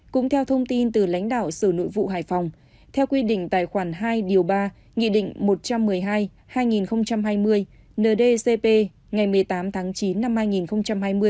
cũng theo thông tin từ lãnh đạo sở nội vụ hải phòng theo quy định tài khoản hai điều ba nghị định một trăm một mươi hai hai nghìn hai mươi ndcp ngày một mươi tám tháng chín năm hai nghìn hai mươi